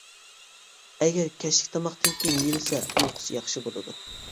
ئەگەر كەچلىك تاماقتىن كېيىن يېيىلسە ئۇيقۇسى ياخشى بولىدۇ.